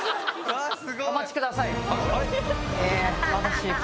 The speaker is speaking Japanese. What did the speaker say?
お待ちください。